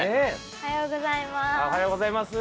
おはようございます。